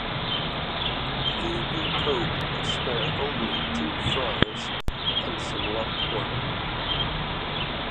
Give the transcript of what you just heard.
The new Pope could spare only two friars and some lamp oil.